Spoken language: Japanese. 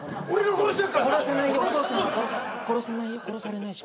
殺さないよお父さん殺さない殺さないよ